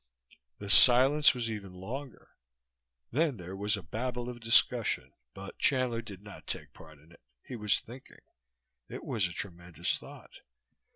The silence was even longer; then there was a babble of discussion, but Chandler did not take part in it. He was thinking. It was a tremendous thought.